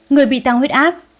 người bị tăng huyết áp